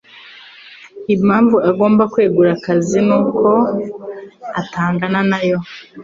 Impamvu agomba kwegura akazi ni uko atangana nayo.